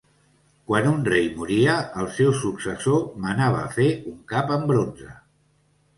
Quan un rei moria, el seu successor manava fer un cap en bronze.